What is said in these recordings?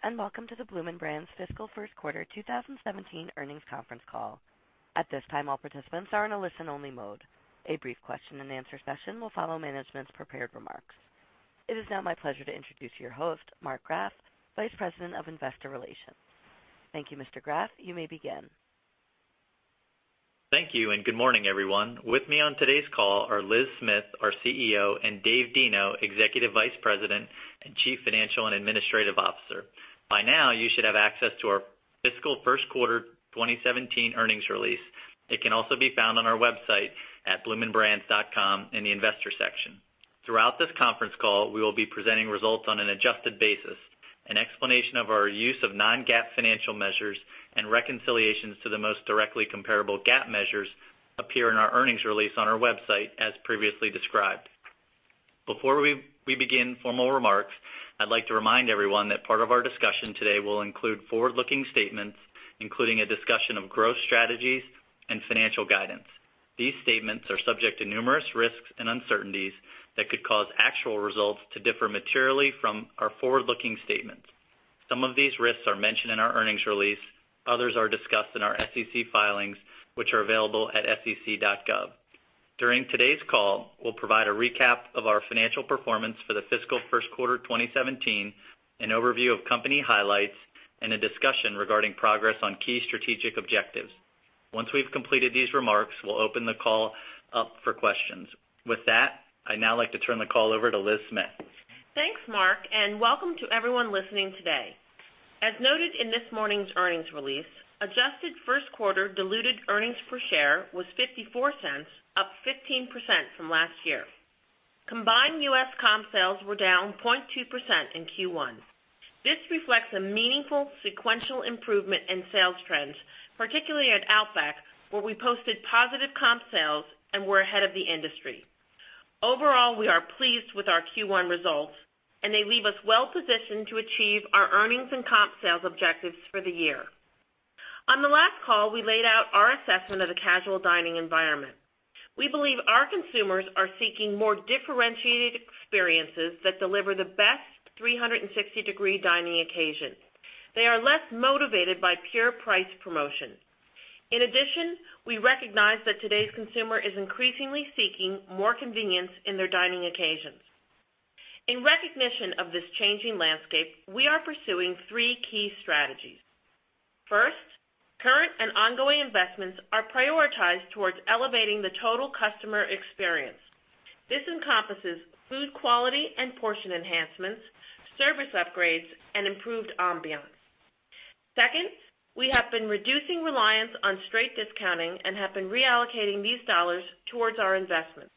Greetings. Welcome to the Bloomin' Brands fiscal first quarter 2017 earnings conference call. At this time, all participants are in a listen-only mode. A brief question and answer session will follow management's prepared remarks. It is now my pleasure to introduce your host, Mark Graff, Vice President of Investor Relations. Thank you, Mr. Graff. You may begin. Thank you. Good morning, everyone. With me on today's call are Liz Smith, our CEO, and David Deno, Executive Vice President and Chief Financial and Administrative Officer. By now, you should have access to our fiscal first quarter 2017 earnings release. It can also be found on our website at bloominbrands.com in the investor section. Throughout this conference call, we will be presenting results on an adjusted basis. An explanation of our use of non-GAAP financial measures and reconciliations to the most directly comparable GAAP measures appear in our earnings release on our website, as previously described. Before we begin formal remarks, I'd like to remind everyone that part of our discussion today will include forward-looking statements, including a discussion of growth strategies and financial guidance. These statements are subject to numerous risks and uncertainties that could cause actual results to differ materially from our forward-looking statements. Some of these risks are mentioned in our earnings release. Others are discussed in our SEC filings, which are available at sec.gov. During today's call, we'll provide a recap of our financial performance for the fiscal first quarter of 2017, an overview of company highlights, and a discussion regarding progress on key strategic objectives. Once we've completed these remarks, we'll open the call up for questions. With that, I'd now like to turn the call over to Liz Smith. Thanks, Mark. Welcome to everyone listening today. As noted in this morning's earnings release, adjusted first quarter diluted earnings per share was $0.54, up 15% from last year. Combined U.S. comp sales were down 0.2% in Q1. This reflects a meaningful sequential improvement in sales trends, particularly at Outback, where we posted positive comp sales and were ahead of the industry. Overall, we are pleased with our Q1 results, and they leave us well positioned to achieve our earnings and comp sales objectives for the year. On the last call, we laid out our assessment of the casual dining environment. We believe our consumers are seeking more differentiated experiences that deliver the best 360-degree dining occasions. They are less motivated by pure price promotions. In addition, we recognize that today's consumer is increasingly seeking more convenience in their dining occasions. In recognition of this changing landscape, we are pursuing three key strategies. First, current and ongoing investments are prioritized towards elevating the total customer experience. This encompasses food quality and portion enhancements, service upgrades, and improved ambiance. Second, we have been reducing reliance on straight discounting and have been reallocating these dollars towards our investments.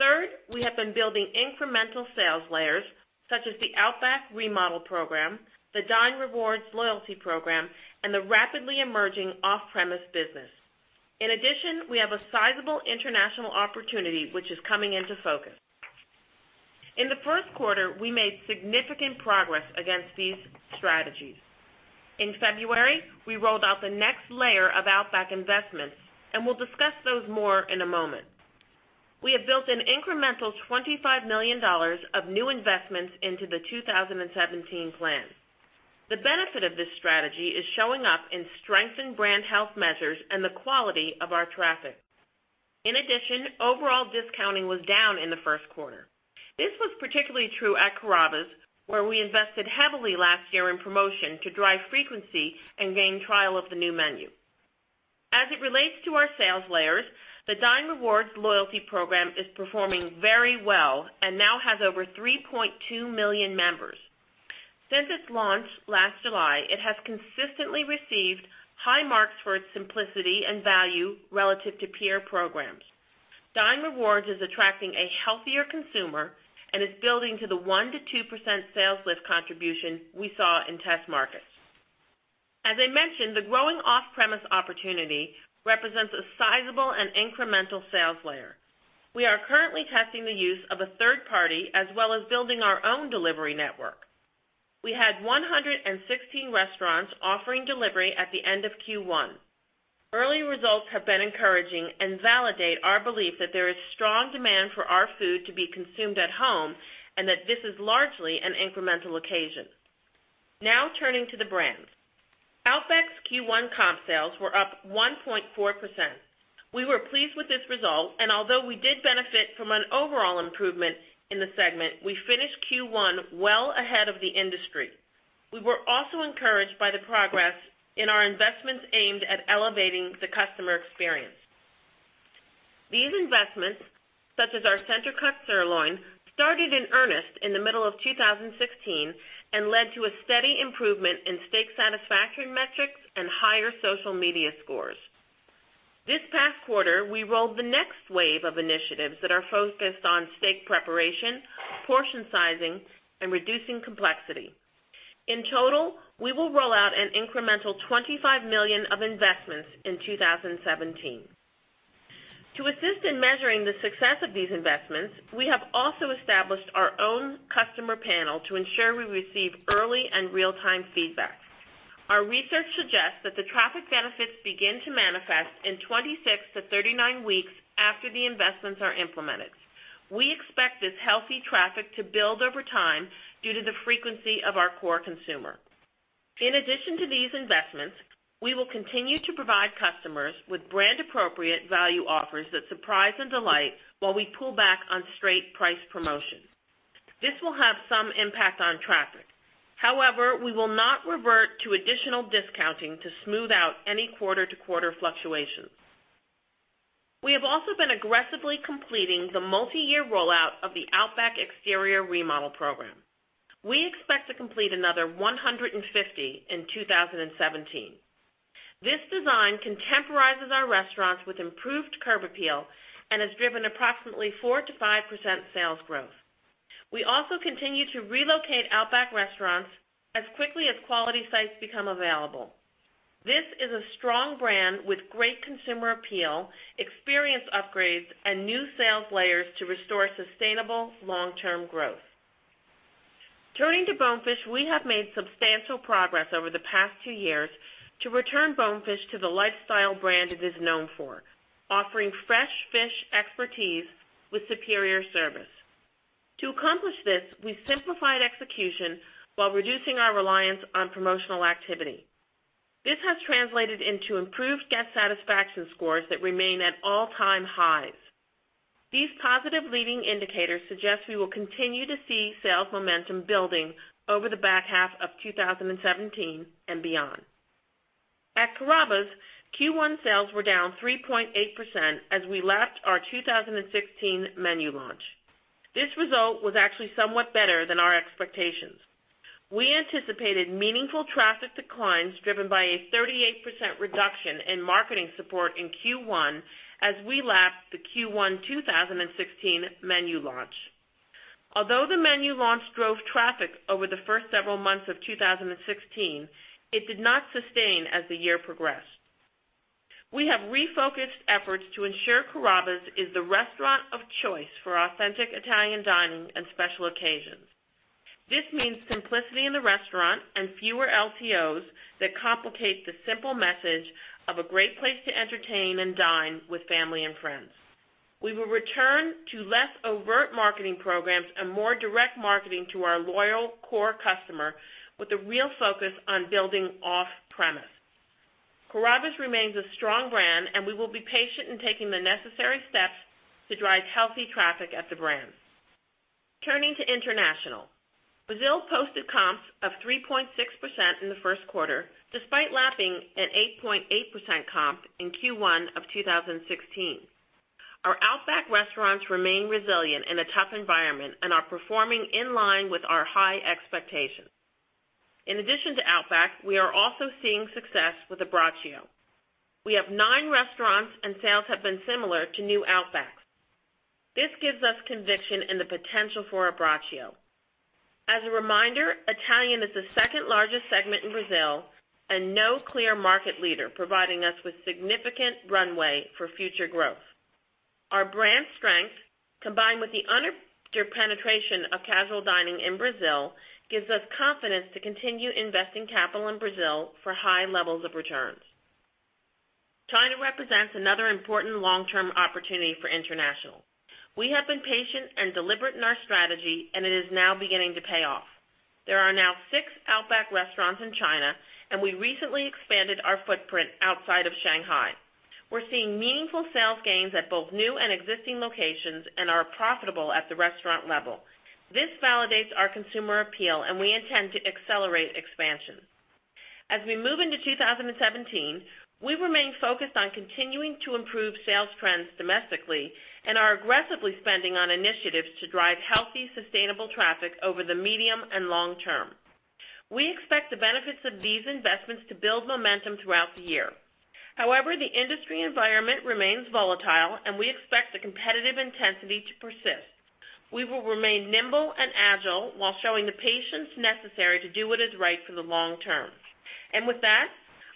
Third, we have been building incremental sales layers, such as the Outback remodel program, the Dine Rewards loyalty program, and the rapidly emerging off-premise business. In addition, we have a sizable international opportunity, which is coming into focus. In the first quarter, we made significant progress against these strategies. In February, we rolled out the next layer of Outback investments, and we will discuss those more in a moment. We have built an incremental $25 million of new investments into the 2017 plan. The benefit of this strategy is showing up in strengthened brand health measures and the quality of our traffic. In addition, overall discounting was down in the first quarter. This was particularly true at Carrabba's, where we invested heavily last year in promotion to drive frequency and gain trial of the new menu. As it relates to our sales layers, the Dine Rewards loyalty program is performing very well and now has over 3.2 million members. Since its launch last July, it has consistently received high marks for its simplicity and value relative to peer programs. Dine Rewards is attracting a healthier consumer and is building to the 1%-2% sales lift contribution we saw in test markets. As I mentioned, the growing off-premise opportunity represents a sizable and incremental sales layer. We are currently testing the use of a third party, as well as building our own delivery network. We had 116 restaurants offering delivery at the end of Q1. Early results have been encouraging and validate our belief that there is strong demand for our food to be consumed at home and that this is largely an incremental occasion. Now turning to the brands. Outback's Q1 comp sales were up 1.4%. We were pleased with this result, and although we did benefit from an overall improvement in the segment, we finished Q1 well ahead of the industry. We were also encouraged by the progress in our investments aimed at elevating the customer experience. These investments, such as our center-cut sirloin, started in earnest in the middle of 2016 and led to a steady improvement in steak satisfaction metrics and higher social media scores. This past quarter, we rolled the next wave of initiatives that are focused on steak preparation, portion sizing, and reducing complexity. In total, we will roll out an incremental $25 million of investments in 2017. To assist in measuring the success of these investments, we have also established our own customer panel to ensure we receive early and real-time feedback. Our research suggests that the traffic benefits begin to manifest in 26-39 weeks after the investments are implemented. We expect this healthy traffic to build over time due to the frequency of our core consumer. In addition to these investments, we will continue to provide customers with brand appropriate value offers that surprise and delight while we pull back on straight price promotions. This will have some impact on traffic. However, we will not revert to additional discounting to smooth out any quarter-to-quarter fluctuations. We have also been aggressively completing the multi-year rollout of the Outback exterior remodel program. We expect to complete another 150 in 2017. This design contemporizes our restaurants with improved curb appeal and has driven approximately 4%-5% sales growth. We also continue to relocate Outback restaurants as quickly as quality sites become available. This is a strong brand with great consumer appeal, experience upgrades, and new sales layers to restore sustainable long-term growth. Turning to Bonefish, we have made substantial progress over the past two years to return Bonefish to the lifestyle brand it is known for, offering fresh fish expertise with superior service. To accomplish this, we simplified execution while reducing our reliance on promotional activity. This has translated into improved guest satisfaction scores that remain at all-time highs. These positive leading indicators suggest we will continue to see sales momentum building over the back half of 2017 and beyond. At Carrabba's, Q1 sales were down 3.8% as we lapped our 2016 menu launch. This result was actually somewhat better than our expectations. We anticipated meaningful traffic declines driven by a 38% reduction in marketing support in Q1 as we lapped the Q1 2016 menu launch. Although the menu launch drove traffic over the first several months of 2016, it did not sustain as the year progressed. We have refocused efforts to ensure Carrabba's is the restaurant of choice for authentic Italian dining and special occasions. This means simplicity in the restaurant and fewer LTOs that complicate the simple message of a great place to entertain and dine with family and friends. We will return to less overt marketing programs and more direct marketing to our loyal core customer with a real focus on building off-premise. Carrabba's remains a strong brand, and we will be patient in taking the necessary steps to drive healthy traffic at the brand. Turning to international. Brazil posted comps of 3.6% in the first quarter, despite lapping an 8.8% comp in Q1 of 2016. Our Outback restaurants remain resilient in a tough environment and are performing in line with our high expectations. In addition to Outback, we are also seeing success with Abbraccio. We have nine restaurants, and sales have been similar to new Outbacks. This gives us conviction in the potential for Abbraccio. As a reminder, Italian is the second largest segment in Brazil and no clear market leader, providing us with significant runway for future growth. Our brand strength, combined with the underpenetration of casual dining in Brazil, gives us confidence to continue investing capital in Brazil for high levels of returns. China represents another important long-term opportunity for international. We have been patient and deliberate in our strategy, and it is now beginning to pay off. There are now six Outback restaurants in China, and we recently expanded our footprint outside of Shanghai. We're seeing meaningful sales gains at both new and existing locations and are profitable at the restaurant level. This validates our consumer appeal, and we intend to accelerate expansion. As we move into 2017, we remain focused on continuing to improve sales trends domestically and are aggressively spending on initiatives to drive healthy, sustainable traffic over the medium and long term. We expect the benefits of these investments to build momentum throughout the year. However, the industry environment remains volatile, and we expect the competitive intensity to persist. We will remain nimble and agile while showing the patience necessary to do what is right for the long term. With that,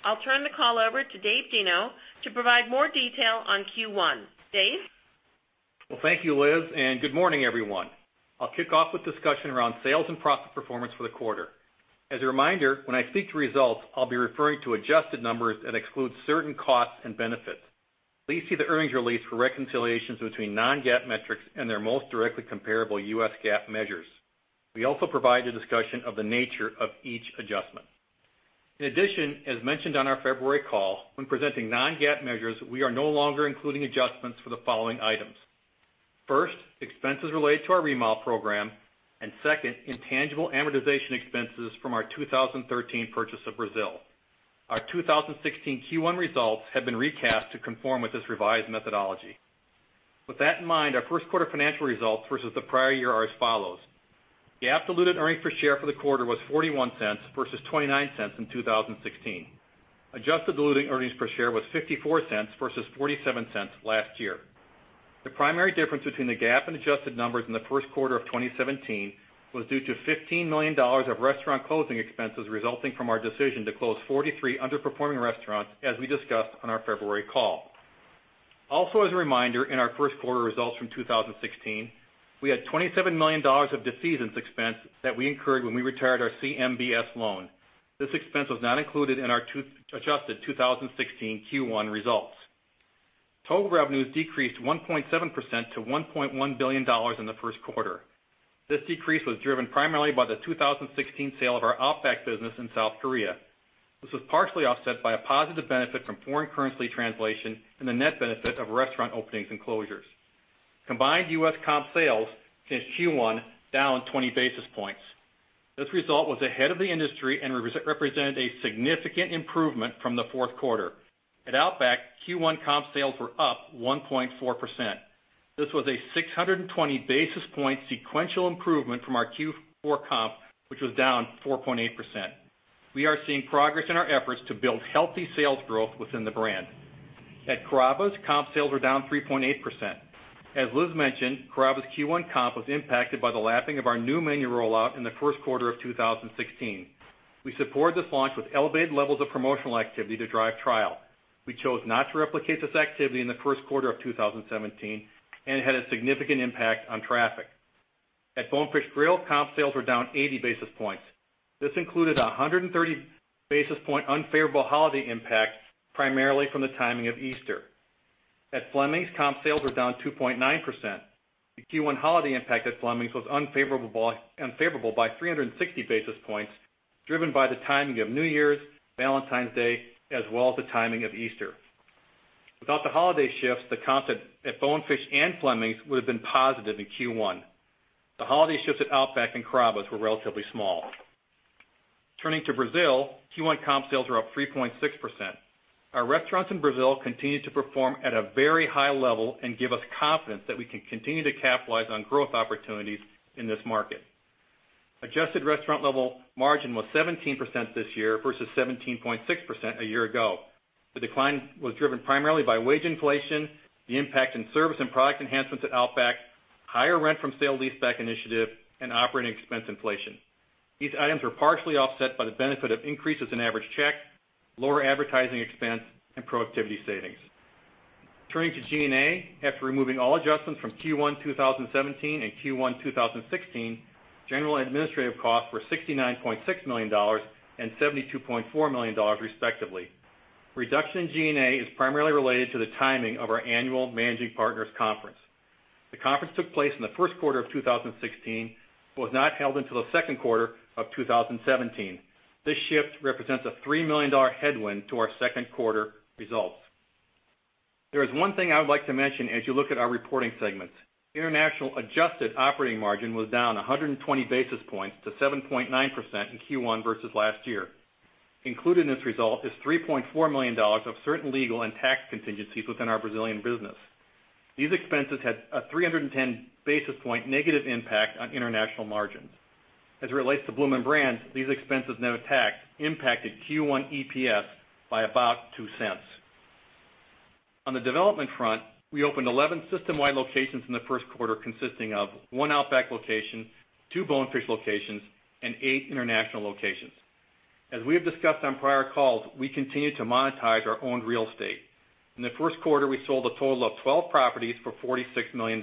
I'll turn the call over to David Deno to provide more detail on Q1. Dave? Well, thank you, Liz, and good morning, everyone. I'll kick off with discussion around sales and profit performance for the quarter. As a reminder, when I speak to results, I'll be referring to adjusted numbers that exclude certain costs and benefits. Please see the earnings release for reconciliations between non-GAAP metrics and their most directly comparable U.S. GAAP measures. We also provide a discussion of the nature of each adjustment. In addition, as mentioned on our February call, when presenting non-GAAP measures, we are no longer including adjustments for the following items. First, expenses related to our remodel program, and second, intangible amortization expenses from our 2013 purchase of Brazil. Our 2016 Q1 results have been recast to conform with this revised methodology. With that in mind, our first quarter financial results versus the prior year are as follows. GAAP diluted earnings per share for the quarter was $0.41 versus $0.29 in 2016. Adjusted diluted earnings per share was $0.54 versus $0.47 last year. The primary difference between the GAAP and adjusted numbers in the first quarter of 2017 was due to $15 million of restaurant closing expenses resulting from our decision to close 43 underperforming restaurants as we discussed on our February call. Also as a reminder, in our first quarter results from 2016, we had $27 million of defeasance expense that we incurred when we retired our CMBS loan. This expense was not included in our adjusted 2016 Q1 results. Total revenues decreased 1.7% to $1.1 billion in the first quarter. This decrease was driven primarily by the 2016 sale of our Outback business in South Korea. This was partially offset by a positive benefit from foreign currency translation and the net benefit of restaurant openings and closures. Combined U.S. comp sales in Q1 down 20 basis points. This result was ahead of the industry and represented a significant improvement from the fourth quarter. At Outback, Q1 comp sales were up 1.4%. This was a 620 basis point sequential improvement from our Q4 comp, which was down 4.8%. We are seeing progress in our efforts to build healthy sales growth within the brand. At Carrabba's, comp sales were down 3.8%. As Liz mentioned, Carrabba's Q1 comp was impacted by the lapping of our new menu rollout in the first quarter of 2016. We supported this launch with elevated levels of promotional activity to drive trial. We chose not to replicate this activity in the first quarter of 2017, and it had a significant impact on traffic. At Bonefish Grill, comp sales were down 80 basis points. This included 130 basis point unfavorable holiday impact, primarily from the timing of Easter. At Fleming's, comp sales were down 2.9%. The Q1 holiday impact at Fleming's was unfavorable by 360 basis points, driven by the timing of New Year's, Valentine's Day, as well as the timing of Easter. Without the holiday shifts, the comps at Bonefish and Fleming's would have been positive in Q1. The holiday shifts at Outback and Carrabba's were relatively small. Turning to Brazil, Q1 comp sales were up 3.6%. Our restaurants in Brazil continue to perform at a very high level and give us confidence that we can continue to capitalize on growth opportunities in this market. Adjusted restaurant level margin was 17% this year versus 17.6% a year ago. The decline was driven primarily by wage inflation, the impact in service and product enhancements at Outback, higher rent from sale leaseback initiative, and operating expense inflation. These items were partially offset by the benefit of increases in average check, lower advertising expense, and productivity savings. Turning to G&A, after removing all adjustments from Q1 2017 and Q1 2016, general and administrative costs were $69.6 million and $72.4 million respectively. Reduction in G&A is primarily related to the timing of our annual Managing Partners Conference. The conference took place in the first quarter of 2016, but was not held until the second quarter of 2017. This shift represents a $3 million headwind to our second quarter results. There is one thing I would like to mention as you look at our reporting segments. International adjusted operating margin was down 120 basis points to 7.9% in Q1 versus last year. Included in this result is $3.4 million of certain legal and tax contingencies within our Brazilian business. These expenses had a 310 basis point negative impact on international margins. As it relates to Bloomin' Brands, these expenses net of tax impacted Q1 EPS by about $0.02. On the development front, we opened 11 system-wide locations in the first quarter, consisting of one Outback location, two Bonefish locations, and eight international locations. As we have discussed on prior calls, we continue to monetize our owned real estate. In the first quarter, we sold a total of 12 properties for $46 million.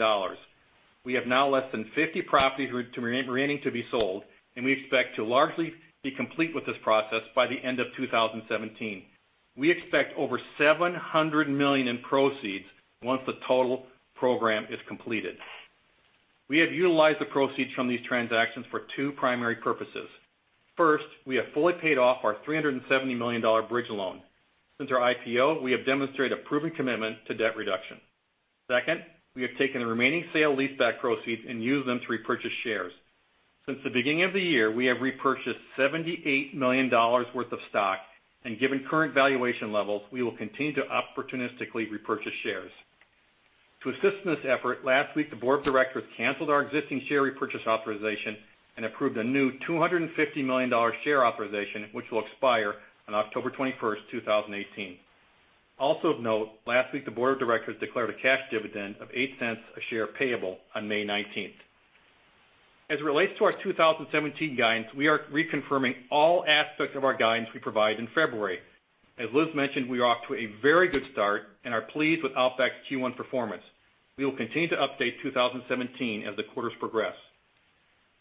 We have now less than 50 properties remaining to be sold, and we expect to largely be complete with this process by the end of 2017. We expect over $700 million in proceeds once the total program is completed. We have utilized the proceeds from these transactions for two primary purposes. First, we have fully paid off our $370 million bridge loan. Since our IPO, we have demonstrated a proven commitment to debt reduction. Second, we have taken the remaining sale leaseback proceeds and used them to repurchase shares. Since the beginning of the year, we have repurchased $78 million worth of stock, and given current valuation levels, we will continue to opportunistically repurchase shares. To assist in this effort, last week, the board of directors canceled our existing share repurchase authorization and approved a new $250 million share authorization, which will expire on October 21st, 2018. Also of note, last week, the board of directors declared a cash dividend of $0.08 a share payable on May 19th. As it relates to our 2017 guidance, we are reconfirming all aspects of our guidance we provided in February. As Liz mentioned, we are off to a very good start and are pleased with Outback's Q1 performance. We will continue to update 2017 as the quarters progress.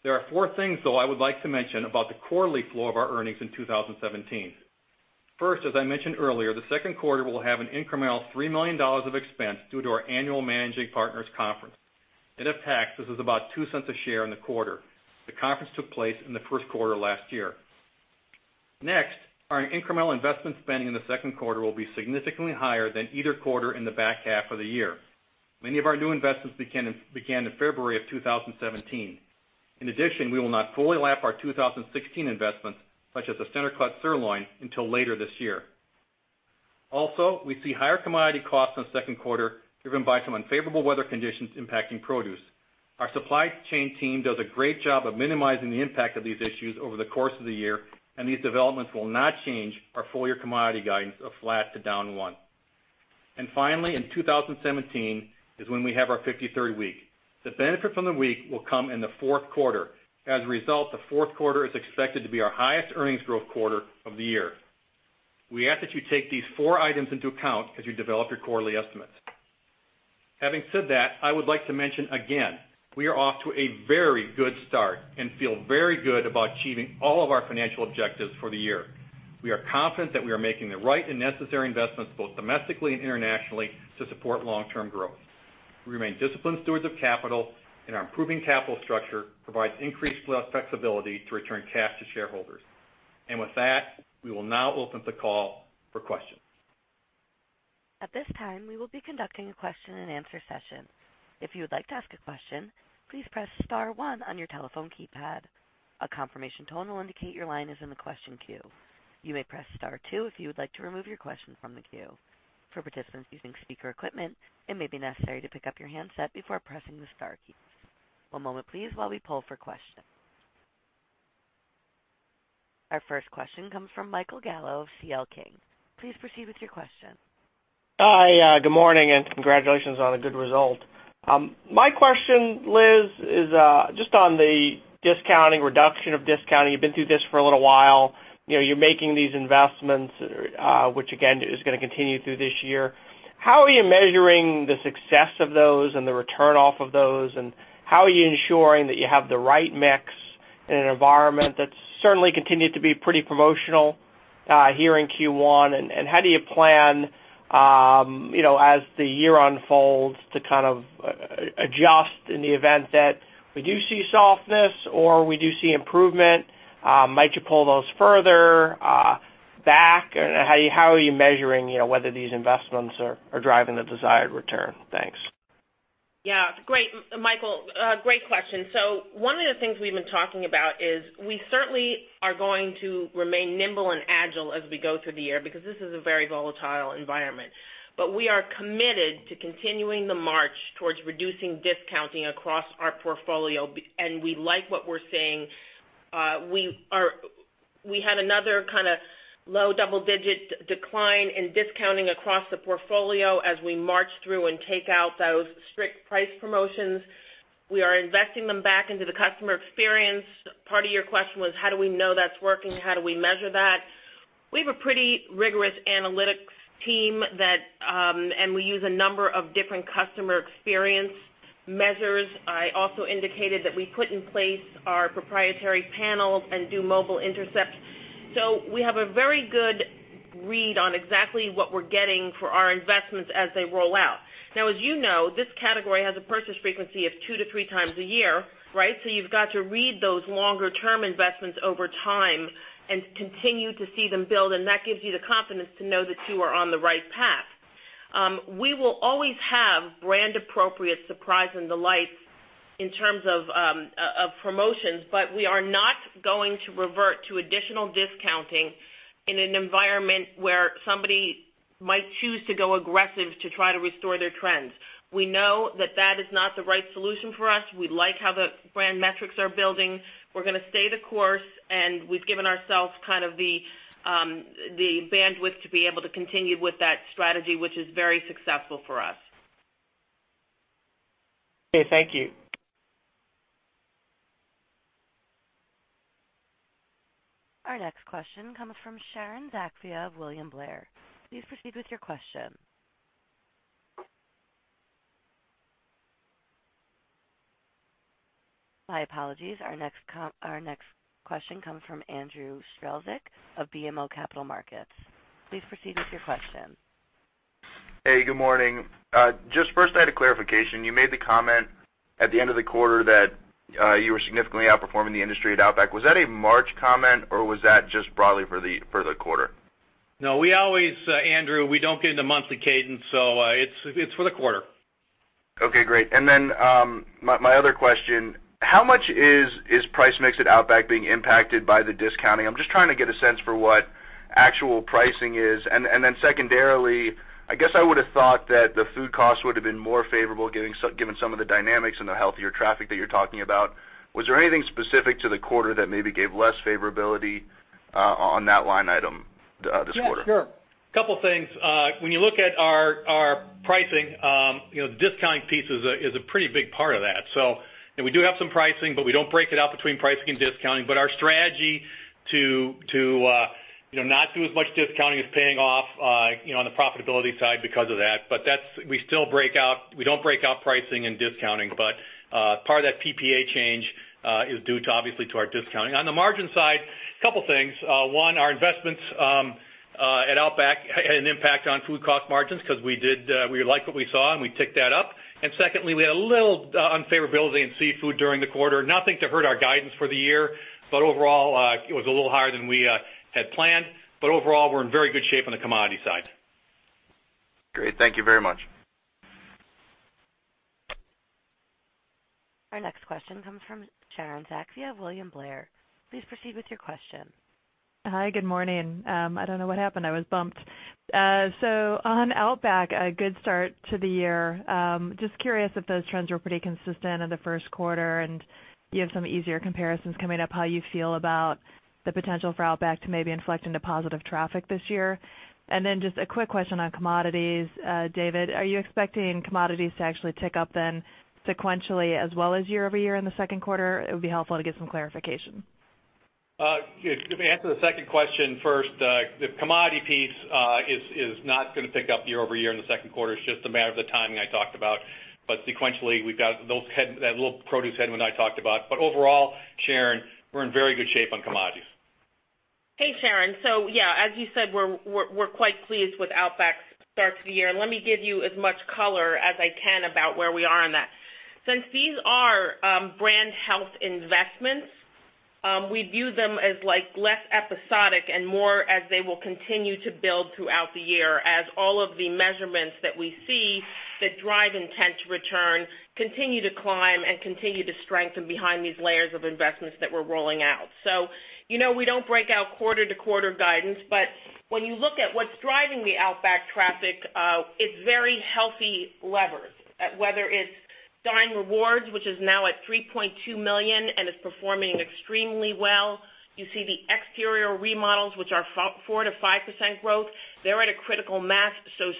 There are four things, though, I would like to mention about the quarterly flow of our earnings in 2017. As I mentioned earlier, the second quarter will have an incremental $3 million of expense due to our annual Managing Partners Conference. Net of tax, this is about $0.02 a share in the quarter. The conference took place in the first quarter last year. Our incremental investment spending in the second quarter will be significantly higher than either quarter in the back half of the year. Many of our new investments began in February of 2017. We will not fully lap our 2016 investments, such as the center-cut sirloin, until later this year. We see higher commodity costs in the second quarter driven by some unfavorable weather conditions impacting produce. Our supply chain team does a great job of minimizing the impact of these issues over the course of the year, and these developments will not change our full-year commodity guidance of flat to down one. In 2017 is when we have our 53rd week. The benefit from the week will come in the fourth quarter. As a result, the fourth quarter is expected to be our highest earnings growth quarter of the year. We ask that you take these four items into account as you develop your quarterly estimates. Having said that, I would like to mention again, we are off to a very good start and feel very good about achieving all of our financial objectives for the year. We are confident that we are making the right and necessary investments, both domestically and internationally, to support long-term growth. We remain disciplined stewards of capital, and our improving capital structure provides increased flexibility to return cash to shareholders. With that, we will now open the call for questions. We will be conducting a question and answer session. If you would like to ask a question, please press *1 on your telephone keypad. A confirmation tone will indicate your line is in the question queue. You may press *2 if you would like to remove your question from the queue. For participants using speaker equipment, it may be necessary to pick up your handset before pressing the star keys. One moment please while we poll for questions. Our first question comes from Michael Gallo of C.L. King. Please proceed with your question. Hi, good morning, and congratulations on a good result. My question, Liz, is just on the reduction of discounting. You've been through this for a little while. You're making these investments, which again, is going to continue through this year. How are you measuring the success of those and the return off of those, and how are you ensuring that you have the right mix in an environment that's certainly continued to be pretty promotional here in Q1? How do you plan, as the year unfolds, to adjust in the event that we do see softness or we do see improvement? Might you pull those further back? How are you measuring whether these investments are driving the desired return? Thanks. Yeah. Great, Michael. Great question. One of the things we've been talking about is we certainly are going to remain nimble and agile as we go through the year, because this is a very volatile environment. We are committed to continuing the march towards reducing discounting across our portfolio, and we like what we're seeing. We had another low double-digit decline in discounting across the portfolio as we march through and take out those strict price promotions. We are investing them back into the customer experience. Part of your question was, how do we know that's working? How do we measure that? We have a pretty rigorous analytics team, and we use a number of different customer experience measures. I also indicated that we put in place our proprietary panels and do mobile intercepts. We have a very good read on exactly what we're getting for our investments as they roll out. Now, as you know, this category has a purchase frequency of two to three times a year, right? You've got to read those longer-term investments over time and continue to see them build, and that gives you the confidence to know that you are on the right path. We will always have brand-appropriate surprise and delight in terms of promotions, but we are not going to revert to additional discounting in an environment where somebody might choose to go aggressive to try to restore their trends. We know that that is not the right solution for us. We like how the brand metrics are building. We're going to stay the course, and we've given ourselves the bandwidth to be able to continue with that strategy, which is very successful for us. Okay. Thank you. Our next question comes from Sharon Zackfia of William Blair. Please proceed with your question. My apologies. Our next question comes from Andrew Strelzik of BMO Capital Markets. Please proceed with your question. Hey, good morning. Just first, I had a clarification. You made the comment at the end of the quarter that you were significantly outperforming the industry at Outback. Was that a March comment, or was that just broadly for the quarter? No, Andrew, we don't get into monthly cadence, so it's for the quarter. Okay, great. My other question, how much is price mix at Outback being impacted by the discounting? I'm just trying to get a sense for what actual pricing is. Secondarily, I guess I would have thought that the food costs would have been more favorable, given some of the dynamics and the healthier traffic that you're talking about. Was there anything specific to the quarter that maybe gave less favorability on that line item this quarter? Yeah, sure. Couple things. When you look at our pricing, the discounting piece is a pretty big part of that. We do have some pricing, but we don't break it out between pricing and discounting. Our strategy to not do as much discounting is paying off on the profitability side because of that. We don't break out pricing and discounting, but part of that PPA change is due, obviously, to our discounting. On the margin side, couple things. One, our investments at Outback had an impact on food cost margins because we liked what we saw, and we ticked that up. Secondly, we had a little unfavorability in seafood during the quarter. Nothing to hurt our guidance for the year, but overall, it was a little higher than we had planned. Overall, we're in very good shape on the commodity side. Great. Thank you very much. Our next question comes from Sharon Zackfia of William Blair. Please proceed with your question. Hi, good morning. I don't know what happened. I was bumped. On Outback, a good start to the year. Just curious if those trends were pretty consistent in the first quarter, and you have some easier comparisons coming up, how you feel about the potential for Outback to maybe inflect into positive traffic this year. Then just a quick question on commodities. David, are you expecting commodities to actually tick up then sequentially as well as year-over-year in the second quarter? It would be helpful to get some clarification. If I answer the second question first, the commodity piece is not going to pick up year-over-year in the second quarter. It's just a matter of the timing I talked about. Sequentially, we've got that little produce headwind I talked about. Overall, Sharon, we're in very good shape on commodities. Hey, Sharon. Yeah, as you said, we're quite pleased with Outback's start to the year. Let me give you as much color as I can about where we are on that. Since these are brand health investments, we view them as less episodic and more as they will continue to build throughout the year as all of the measurements that we see that drive intent to return, continue to climb and continue to strengthen behind these layers of investments that we're rolling out. We don't break out quarter-to-quarter guidance, but when you look at what's driving the Outback traffic, it's very healthy levers. Whether it's Dine Rewards, which is now at 3.2 million and is performing extremely well. You see the exterior remodels, which are 4%-5% growth. They're at a critical mass,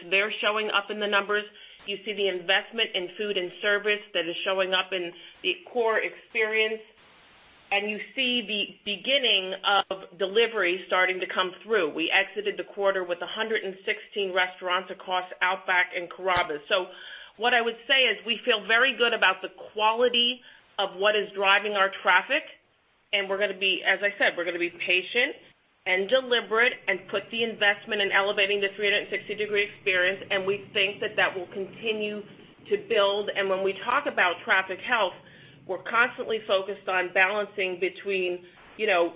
they're showing up in the numbers. You see the investment in food and service that is showing up in the core experience, you see the beginning of delivery starting to come through. We exited the quarter with 116 restaurants across Outback and Carrabba's. What I would say is we feel very good about the quality of what is driving our traffic, we're going to be, as I said, we're going to be patient and deliberate and put the investment in elevating the 360-degree experience, we think that that will continue to build. When we talk about traffic health, we're constantly focused on balancing between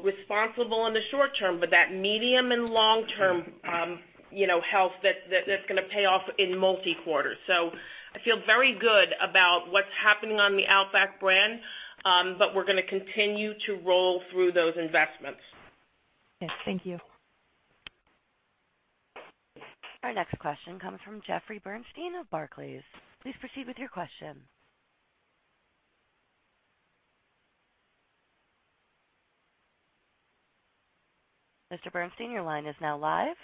responsible in the short term, that medium and long term health that's going to pay off in multi-quarters. I feel very good about what's happening on the Outback brand, we're going to continue to roll through those investments. Yes. Thank you. Our next question comes from Jeffrey Bernstein of Barclays. Please proceed with your question. Mr. Bernstein, your line is now live.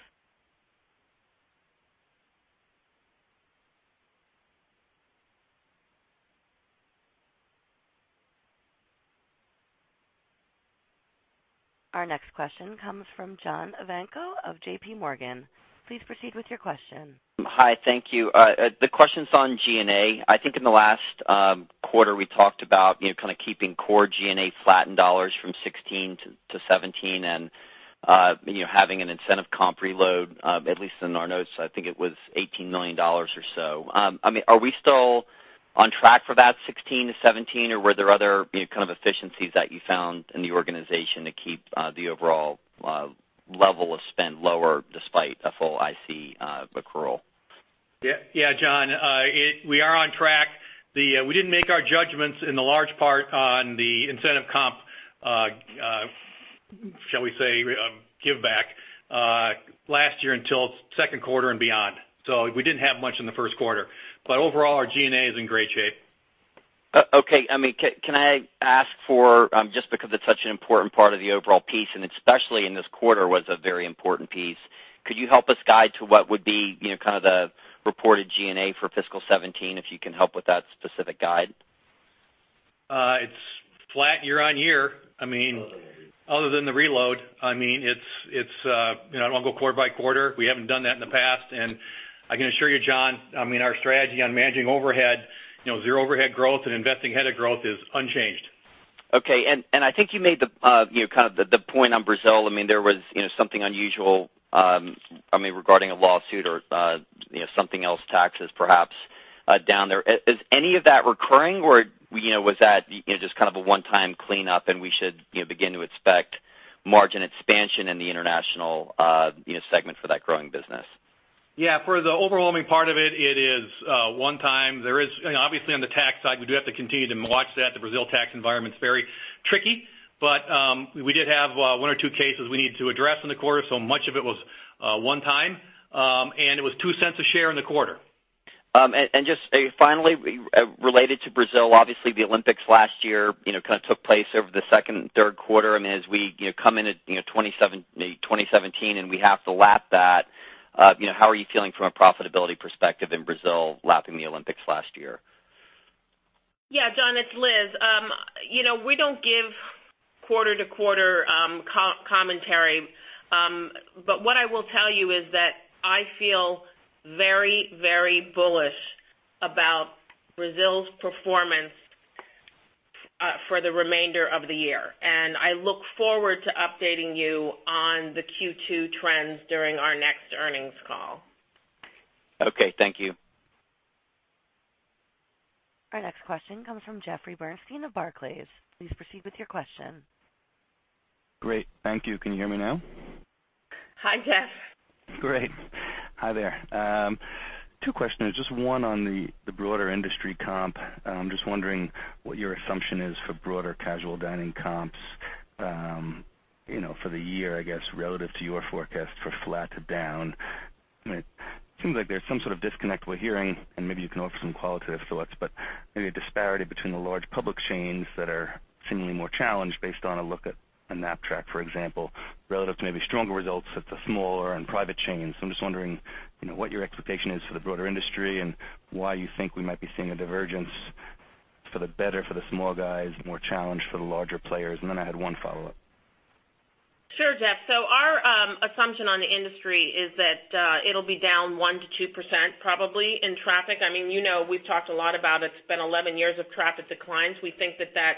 Our next question comes from John Ivankoe of JPMorgan. Please proceed with your question. Hi. Thank you. The question's on G&A. I think in the last quarter, we talked about keeping core G&A flat in dollars from 2016 to 2017, and having an incentive comp reload, at least in our notes, I think it was $18 million or so. Are we still on track for that 2016 to 2017, or were there other kind of efficiencies that you found in the organization to keep the overall level of spend lower despite a full IC accrual? Yeah, John, we are on track. We didn't make our judgments in the large part on the incentive comp, shall we say, give back, last year until second quarter and beyond. We didn't have much in the first quarter, but overall, our G&A is in great shape. Okay. Can I ask for, just because it's such an important part of the overall piece, and especially in this quarter, was a very important piece, could you help us guide to what would be the reported G&A for fiscal 2017, if you can help with that specific guide? It's flat year-over-year. Other than the reload. I don't want to go quarter-over-quarter. We haven't done that in the past. I can assure you, John, our strategy on managing overhead, zero overhead growth and investing ahead of growth is unchanged. Okay. I think you made the point on Brazil. There was something unusual regarding a lawsuit or something else, taxes perhaps down there. Is any of that recurring or was that just a one-time cleanup and we should begin to expect margin expansion in the international segment for that growing business? Yeah. For the overwhelming part of it is one time. Obviously, on the tax side, we do have to continue to watch that. The Brazil tax environment's very tricky. We did have one or two cases we need to address in the quarter, so much of it was one time. It was $0.02 a share in the quarter. Just finally, related to Brazil, obviously the Olympics last year took place over the second and third quarter. As we come into 2017 and we have to lap that, how are you feeling from a profitability perspective in Brazil lapping the Olympics last year? Yeah, John, it's Liz. We don't give quarter to quarter commentary. What I will tell you is that I feel very bullish about Brazil's performance for the remainder of the year, and I look forward to updating you on the Q2 trends during our next earnings call. Okay. Thank you. Our next question comes from Jeffrey Bernstein of Barclays. Please proceed with your question. Great. Thank you. Can you hear me now? Hi, Jeff. Great. Hi there. Two questions. Just one on the broader industry comp. I'm just wondering what your assumption is for broader casual dining comps for the year, I guess, relative to your forecast for flat to down. It seems like there's some sort of disconnect we're hearing, and maybe you can offer some qualitative thoughts, but maybe a disparity between the large public chains that are seemingly more challenged based on a look at a Knapp-Track, for example, relative to maybe stronger results at the smaller and private chains. I'm just wondering what your expectation is for the broader industry and why you think we might be seeing a divergence For the better for the small guys, more challenge for the larger players? Then I had one follow-up. Sure, Jeff. Our assumption on the industry is that it'll be down 1%-2%, probably, in traffic. We've talked a lot about it's been 11 years of traffic declines. We think that that's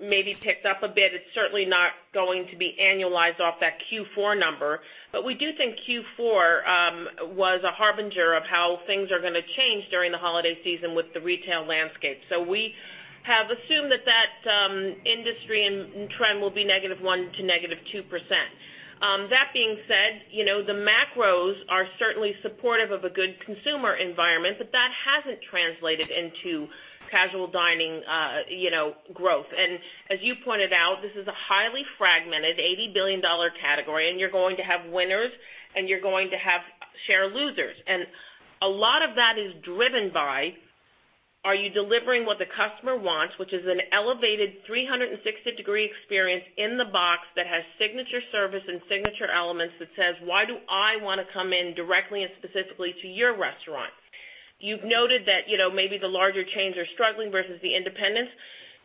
maybe picked up a bit. It's certainly not going to be annualized off that Q4 number. We do think Q4 was a harbinger of how things are going to change during the holiday season with the retail landscape. We have assumed that that industry trend will be -1% to -2%. That being said, the macros are certainly supportive of a good consumer environment, but that hasn't translated into casual dining growth. As you pointed out, this is a highly fragmented, $80 billion category, and you're going to have winners, and you're going to have share losers. A lot of that is driven by are you delivering what the customer wants, which is an elevated 360-degree experience in the box that has signature service and signature elements that says, "Why do I want to come in directly and specifically to your restaurant?" You've noted that maybe the larger chains are struggling versus the independents.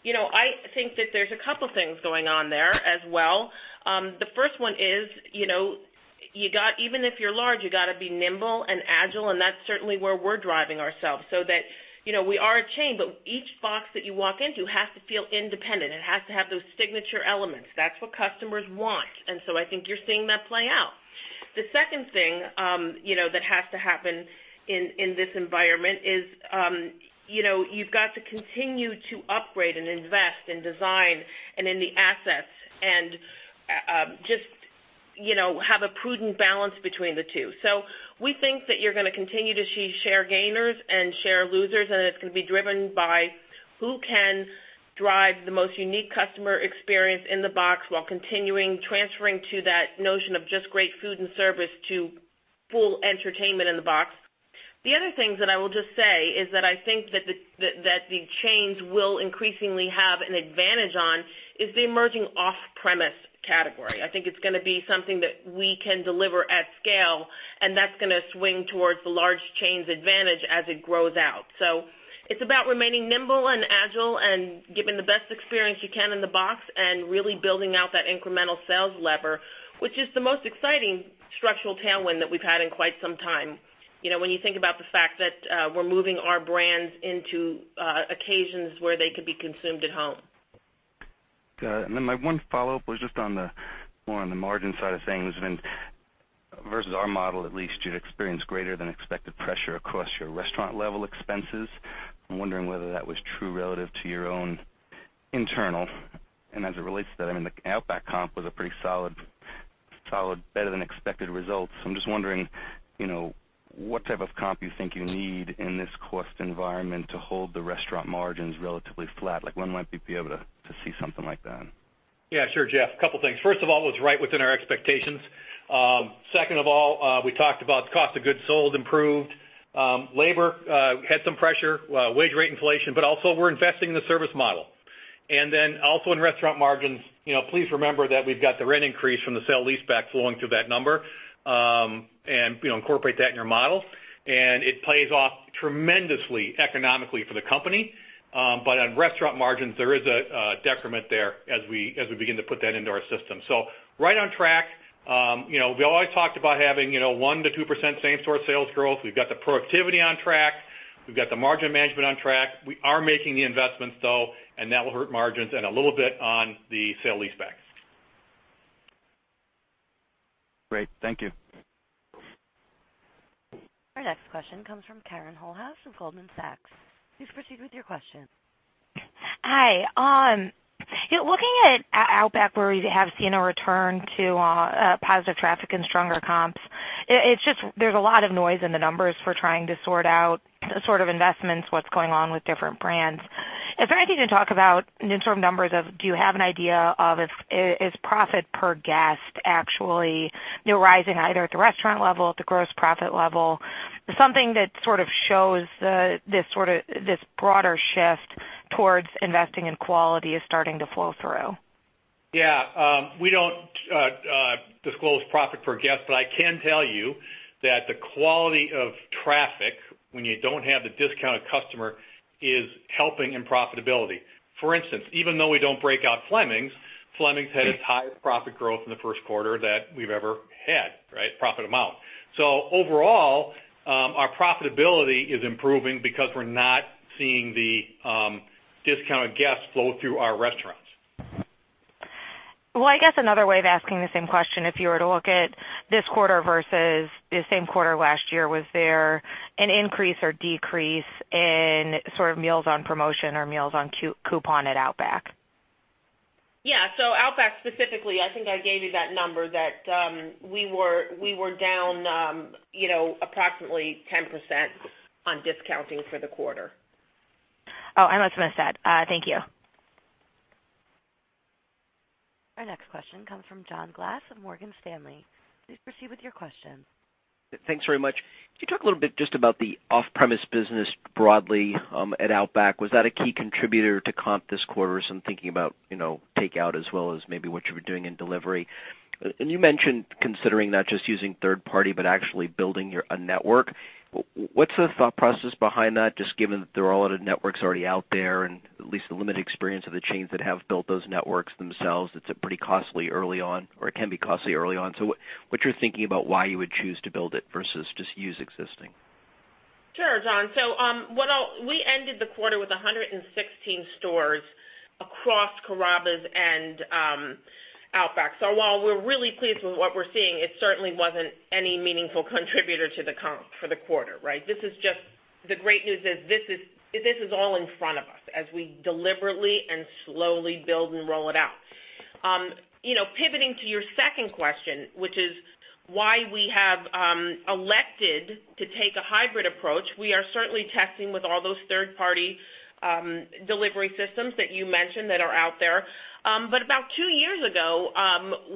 I think that there's a couple things going on there as well. The first one is, even if you're large, you got to be nimble and agile, and that's certainly where we're driving ourselves, so that we are a chain, but each box that you walk into has to feel independent. It has to have those signature elements. That's what customers want. I think you're seeing that play out. The second thing that has to happen in this environment is you've got to continue to upgrade and invest in design and in the assets and just have a prudent balance between the two. We think that you're going to continue to see share gainers and share losers, and it's going to be driven by who can drive the most unique customer experience in the box while continuing transferring to that notion of just great food and service to full entertainment in the box. The other things that I will just say is that I think that the chains will increasingly have an advantage on is the emerging off-premise category. I think it's going to be something that we can deliver at scale, and that's going to swing towards the large chains' advantage as it grows out. It's about remaining nimble and agile and giving the best experience you can in the box and really building out that incremental sales lever, which is the most exciting structural tailwind that we've had in quite some time. When you think about the fact that we're moving our brands into occasions where they could be consumed at home. Got it. My one follow-up was just more on the margin side of things. Versus our model, at least, you'd experienced greater than expected pressure across your restaurant level expenses. I'm wondering whether that was true relative to your own internal and as it relates to that, the Outback comp was a pretty solid, better than expected result. I'm just wondering what type of comp you think you need in this cost environment to hold the restaurant margins relatively flat. When might we be able to see something like that? Yeah, sure, Jeff. Couple things. First of all, it was right within our expectations. Second of all, we talked about COGS improved. Labor had some pressure, wage rate inflation, we're investing in the service model. In restaurant margins, please remember that we've got the rent increase from the sale leaseback flowing through that number, and incorporate that in your model. It plays off tremendously economically for the company. On restaurant margins, there is a decrement there as we begin to put that into our system. Right on track. We always talked about having 1%-2% same-store sales growth. We've got the productivity on track. We've got the margin management on track. We are making the investments, though, and that will hurt margins and a little bit on the sale leaseback. Great. Thank you. Our next question comes from Karen Holthouse from Goldman Sachs. Please proceed with your question. Hi. Looking at Outback, where you have seen a return to positive traffic and stronger comps, there's a lot of noise in the numbers for trying to sort out investments, what's going on with different brands. Is there anything to talk about in terms of, do you have an idea of is profit per guest actually rising either at the restaurant level, at the gross profit level? Something that sort of shows this broader shift towards investing in quality is starting to flow through. Yeah. We don't disclose profit per guest, I can tell you that the quality of traffic when you don't have the discounted customer is helping in profitability. For instance, even though we don't break out Fleming's had its highest profit growth in the first quarter that we've ever had, profit amount. Overall, our profitability is improving because we're not seeing the discounted guests flow through our restaurants. Well, I guess another way of asking the same question, if you were to look at this quarter versus the same quarter last year, was there an increase or decrease in meals on promotion or meals on coupon at Outback? Yeah. Outback specifically, I think I gave you that number that we were down approximately 10% on discounting for the quarter. Oh, I must have missed that. Thank you. Our next question comes from John Glass of Morgan Stanley. Please proceed with your question. Thanks very much. Could you talk a little bit just about the off-premise business broadly at Outback? Was that a key contributor to comp this quarter? I'm thinking about takeout as well as maybe what you were doing in delivery. You mentioned considering not just using third party, but actually building a network. What's the thought process behind that, just given that there are a lot of networks already out there, and at least the limited experience of the chains that have built those networks themselves, it's pretty costly early on, or it can be costly early on. What's your thinking about why you would choose to build it versus just use existing? Sure, John. We ended the quarter with 116 stores across Carrabba's and Outback. While we're really pleased with what we're seeing, it certainly wasn't any meaningful contributor to the comp for the quarter, right? The great news is this is all in front of us as we deliberately and slowly build and roll it out. Pivoting to your second question, which is why we have elected to take a hybrid approach. We are certainly testing with all those third-party delivery systems that you mentioned that are out there. About two years ago,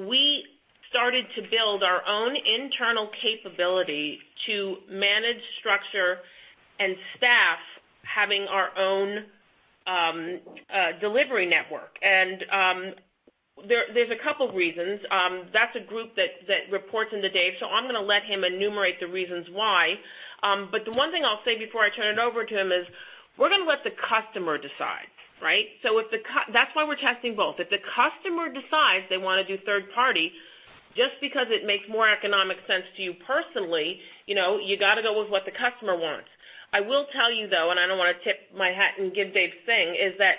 we started to build our own internal capability to manage structure and staff having our own delivery network. There's a couple reasons. That's a group that reports into Dave, I'm going to let him enumerate the reasons why. The one thing I'll say before I turn it over to him is, we're going to let the customer decide, right? That's why we're testing both. If the customer decides they want to do third party, just because it makes more economic sense to you personally, you got to go with what the customer wants. I will tell you, though, and I don't want to tip my hat and give Dave's thing, is that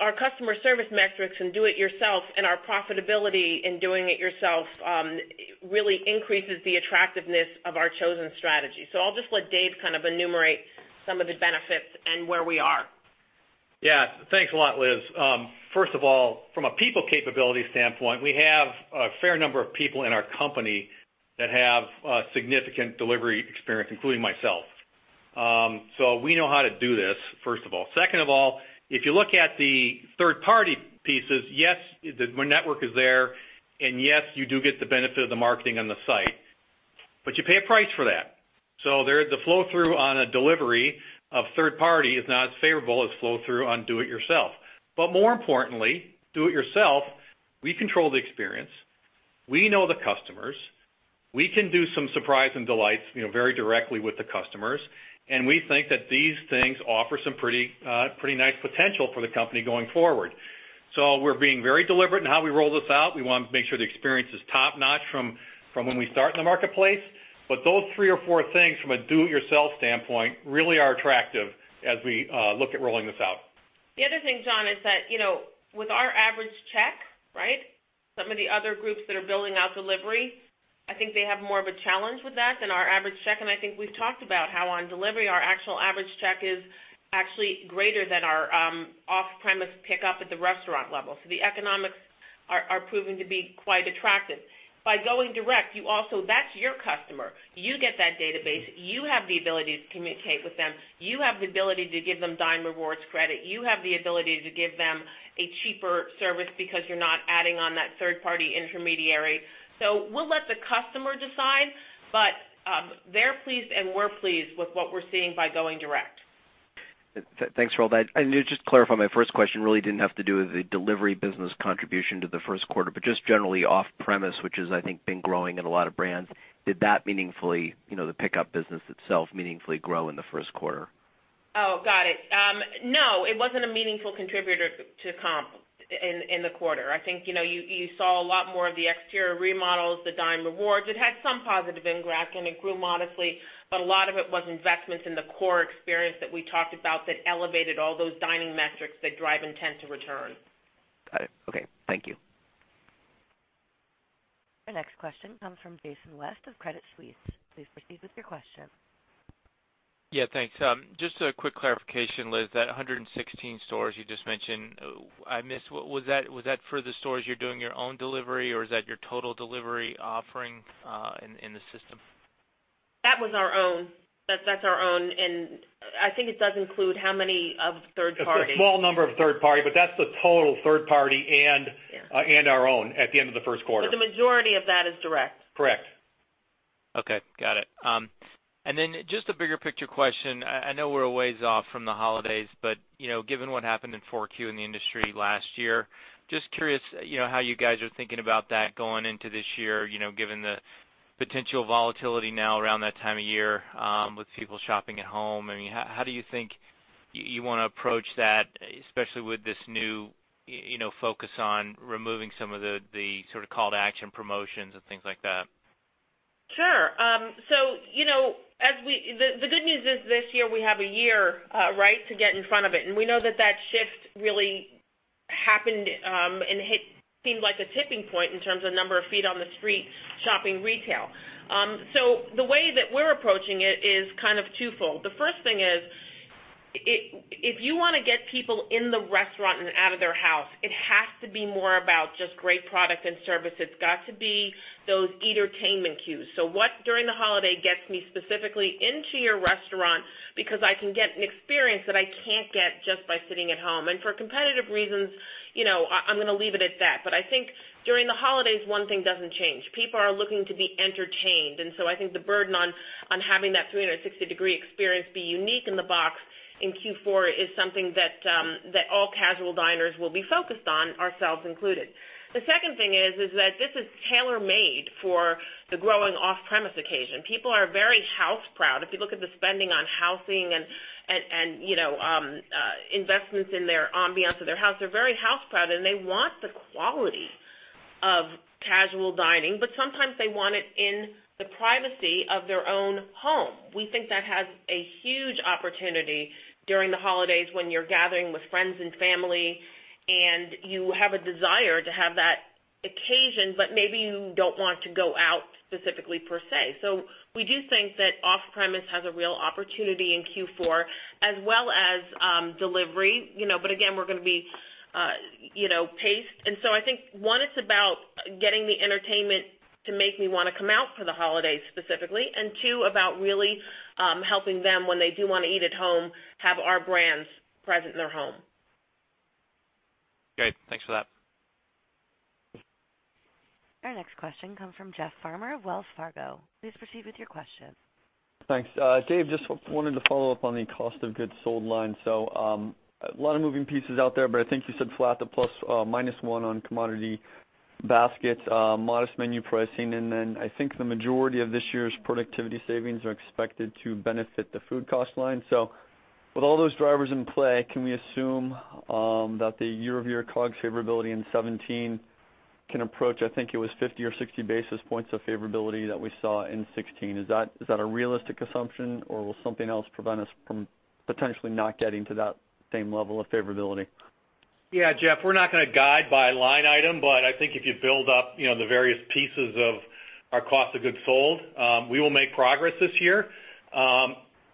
our customer service metrics in do it yourself and our profitability in doing it yourself really increases the attractiveness of our chosen strategy. I'll just let Dave kind of enumerate some of the benefits and where we are. Thanks a lot, Liz. First of all, from a people capability standpoint, we have a fair number of people in our company that have significant delivery experience, including myself. We know how to do this, first of all. If you look at the third-party pieces, yes, the network is there, and yes, you do get the benefit of the marketing on the site, but you pay a price for that. There, the flow through on a delivery of third party is not as favorable as flow through on do it yourself. More importantly, do it yourself, we control the experience. We know the customers. We can do some surprise and delights very directly with the customers, and we think that these things offer some pretty nice potential for the company going forward. We're being very deliberate in how we roll this out. We want to make sure the experience is top-notch from when we start in the marketplace. Those three or four things from a do it yourself standpoint really are attractive as we look at rolling this out. The other thing, John, is that, with our average check, some of the other groups that are building out delivery, I think they have more of a challenge with that than our average check. I think we've talked about how on delivery, our actual average check is actually greater than our off-premise pickup at the restaurant level. The economics are proving to be quite attractive. By going direct, that's your customer. You get that database. You have the ability to communicate with them. You have the ability to give them Dine Rewards credit. You have the ability to give them a cheaper service because you're not adding on that third-party intermediary. We'll let the customer decide, but they're pleased, and we're pleased with what we're seeing by going direct. Thanks for all that. Just to clarify, my first question really didn't have to do with the delivery business contribution to the first quarter, but just generally off premise, which has, I think, been growing in a lot of brands. Did that meaningfully, the pickup business itself, meaningfully grow in the first quarter? Oh, got it. No, it wasn't a meaningful contributor to comp in the quarter. I think you saw a lot more of the exterior remodels, the Dine Rewards. It had some positive ingrowth, and it grew modestly, but a lot of it was investments in the core experience that we talked about that elevated all those dining metrics that drive intent to return. Got it. Okay. Thank you. Our next question comes from Jason West of Credit Suisse. Please proceed with your question. Yeah, thanks. Just a quick clarification, Liz. That 116 stores you just mentioned, I missed. Was that for the stores you're doing your own delivery, or is that your total delivery offering in the system? That was our own. That's our own, I think it does include how many of third party. A small number of third party, that's the total third party and our own at the end of the first quarter. The majority of that is direct. Correct. Okay. Got it. Then just a bigger picture question. I know we're a ways off from the holidays, given what happened in Q4 in the industry last year, just curious how you guys are thinking about that going into this year, given the potential volatility now around that time of year with people shopping at home. How do you think you want to approach that, especially with this new focus on removing some of the sort of call to action promotions and things like that? Sure. The good news is this year we have a year to get in front of it, and we know that that shift really happened and hit seemed like a tipping point in terms of number of feet on the street shopping retail. The way that we're approaching it is kind of twofold. The first thing is, if you want to get people in the restaurant and out of their house, it has to be more about just great product and service. It's got to be those entertainment cues. What during the holiday gets me specifically into your restaurant because I can get an experience that I can't get just by sitting at home? For competitive reasons, I'm going to leave it at that. I think during the holidays, one thing doesn't change. People are looking to be entertained. I think the burden on having that 360 degree experience be unique in the box in Q4 is something that all casual diners will be focused on, ourselves included. The second thing is that this is tailor-made for the growing off-premise occasion. People are very house proud. If you look at the spending on housing and investments in their ambiance of their house, they're very house proud, and they want the quality of casual dining, but sometimes they want it in the privacy of their own home. We think that has a huge opportunity during the holidays when you're gathering with friends and family, and you have a desire to have that occasion, but maybe you don't want to go out specifically per se. We do think that off-premise has a real opportunity in Q4 as well as delivery. Again, we're going to be paced. I think, one, it's about getting the entertainment to make me want to come out for the holidays specifically, and two, about really helping them when they do want to eat at home, have our brands present in their home. Great. Thanks for that. Our next question comes from Jeff Farmer of Wells Fargo. Please proceed with your question. Thanks. Dave, just wanted to follow up on the cost of goods sold line. A lot of moving pieces out there, but I think you said flat to plus minus one on commodity baskets, modest menu pricing, and then I think the majority of this year's productivity savings are expected to benefit the food cost line. With all those drivers in play, can we assume that the year-over-year COGS favorability in 2017 can approach, I think it was 50 or 60 basis points of favorability that we saw in 2016. Is that a realistic assumption, or will something else prevent us from potentially not getting to that same level of favorability? Yeah, Jeff, we're not going to guide by line item, but I think if you build up the various pieces of our cost of goods sold, we will make progress this year.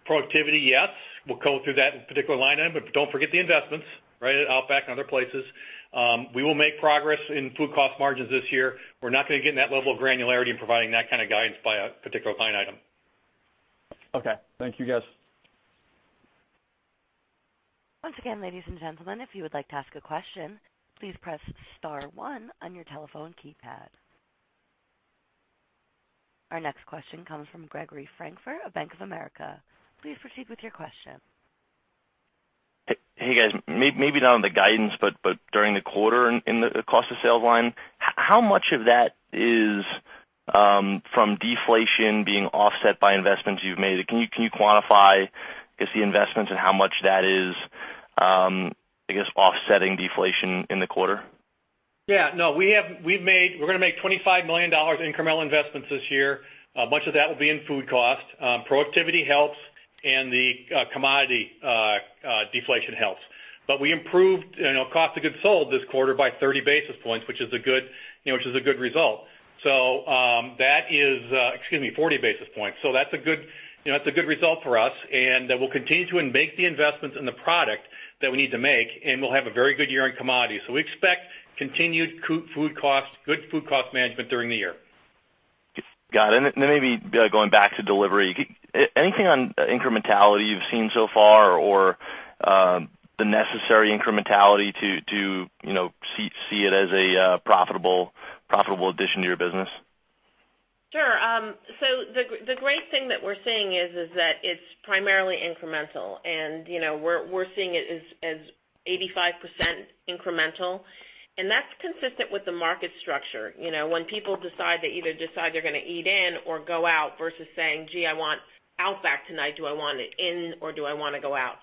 Productivity, yes, we'll go through that in a particular line item, but don't forget the investments, right, at Outback and other places. We will make progress in food cost margins this year. We're not going to get in that level of granularity in providing that kind of guidance by a particular line item. Okay. Thank you, guys. Once again, ladies and gentlemen, if you would like to ask a question, please press * one on your telephone keypad. Our next question comes from Gregory Francfort of Bank of America. Please proceed with your question. Hey, guys. Maybe not on the guidance, but during the quarter in the cost of sales line, how much of that is from deflation being offset by investments you've made? Can you quantify, I guess, the investments and how much that is, I guess, offsetting deflation in the quarter? Yeah. No, we're going to make $25 million in incremental investments this year. Much of that will be in food cost. Productivity helps, the commodity deflation helps. We improved cost of goods sold this quarter by 30 basis points, which is a good result. Excuse me, 40 basis points. That's a good result for us, we'll continue to make the investments in the product that we need to make, we'll have a very good year in commodities. We expect continued good food cost management during the year. Got it. Maybe going back to delivery. Anything on incrementality you've seen so far or the necessary incrementality to see it as a profitable addition to your business? Sure. The great thing that we're seeing is that it's primarily incremental, and we're seeing it as 85% incremental, and that's consistent with the market structure. When people decide, they either decide they're going to eat in or go out versus saying, "Gee, I want Outback tonight. Do I want it in, or do I want to go out?"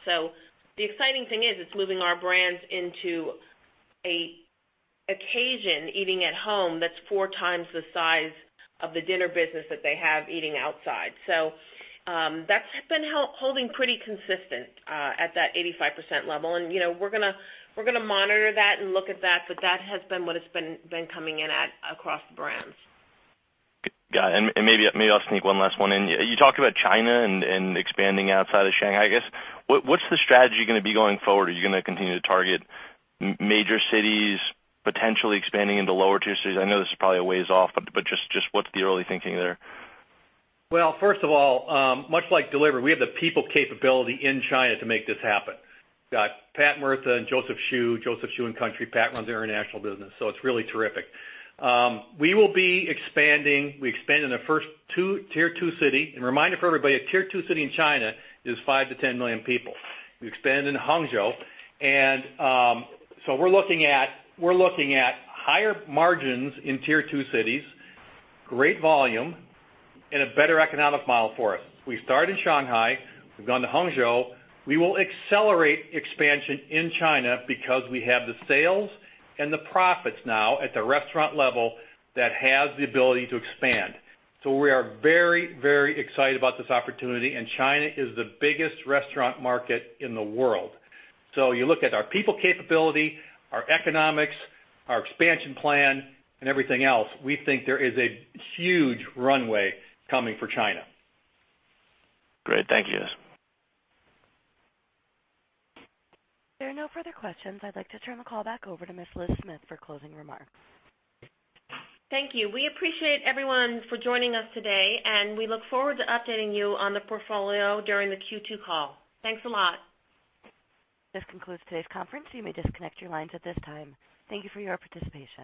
The exciting thing is it's moving our brands into an occasion, eating at home, that's four times the size of the dinner business that they have eating outside. That's been holding pretty consistent at that 85% level. We're going to monitor that and look at that, but that has been what it's been coming in at across the brands. Got it. Maybe I'll sneak one last one in. You talked about China and expanding outside of Shanghai, I guess. What's the strategy going to be going forward? Are you going to continue to target major cities, potentially expanding into lower tier cities? I know this is probably a ways off, but just what's the early thinking there? Well, first of all, much like delivery, we have the people capability in China to make this happen. Got Pat Murtha and Joseph Xu. Joseph Xu in country. Pat runs the international business, so it's really terrific. We will be expanding. We expanded in the first tier 2 city. A reminder for everybody, a tier 2 city in China is five to 10 million people. We expanded in Hangzhou. We're looking at higher margins in tier 2 cities, great volume, and a better economic model for us. We started in Shanghai. We've gone to Hangzhou. We will accelerate expansion in China because we have the sales and the profits now at the restaurant level that has the ability to expand. We are very excited about this opportunity, and China is the biggest restaurant market in the world. You look at our people capability, our economics, our expansion plan, and everything else, we think there is a huge runway coming for China. Great. Thank you. There are no further questions. I'd like to turn the call back over to Ms. Liz Smith for closing remarks. Thank you. We appreciate everyone for joining us today. We look forward to updating you on the portfolio during the Q2 call. Thanks a lot. This concludes today's conference. You may disconnect your lines at this time. Thank you for your participation.